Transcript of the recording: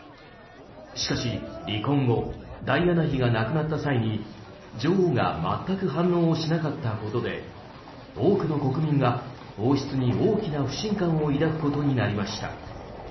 しかし離婚後ダイアナ妃が亡くなった際に女王が全く反応をしなかったことで多くの国民が王室に大きな不信感を抱くことになりました。